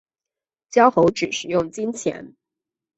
教猴子使用金钱